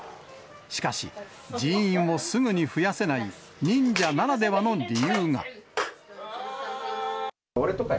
しかし、人員をすぐに増やせない忍者ならではの理由が。